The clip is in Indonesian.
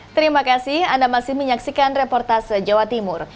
terima kasih anda masih menyaksikan reportase jawa timur